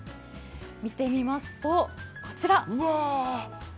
見てみますとこちら。